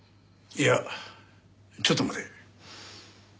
いやちょっと待て。